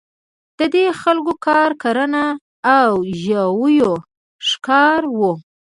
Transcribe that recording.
د دې خلکو کار کرنه او ژویو ښکار وو.